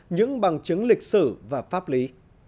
những bằng chứng lịch sử và pháp lý